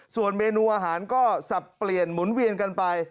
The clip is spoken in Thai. ส่วนเมนูอาหารก็สับเปลี่ยนหมุนเวียนกันไป